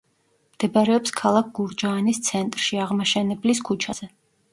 მდებარეობს ქალაქ გურჯაანის ცენტრში, აღმაშენებლის ქუჩაზე.